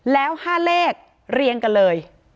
แล้ว๕เลขเรียงกันเลย